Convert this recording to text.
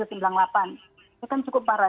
ini kan cukup parah